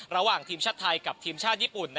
ระหว่างทีมชาติไทยกับทีมชาติญี่ปุ่น